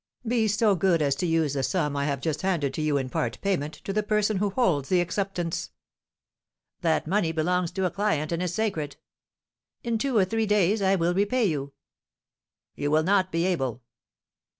"Be so good as to use the sum I have just handed to you in part payment to the person who holds the acceptance." "That money belongs to a client and is sacred." "In two or three days I will repay you." "You will not be able."